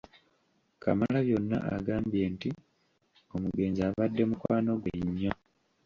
Kamalabyonna agambye nti omugenzi abadde mukwano gwe nnyo.